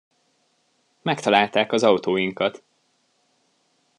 Megtalálták az autóinkat!